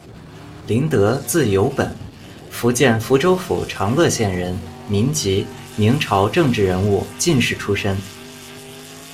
林德，字有本，福建福州府长乐县人，民籍，明朝政治人物、进士出身。